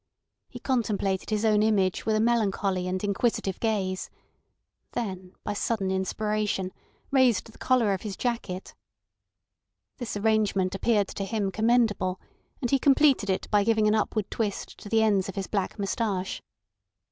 He contemplated his own image with a melancholy and inquisitive gaze, then by sudden inspiration raised the collar of his jacket. This arrangement appeared to him commendable, and he completed it by giving an upward twist to the ends of his black moustache.